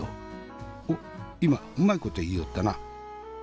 おっ今うまいこと言いよったな。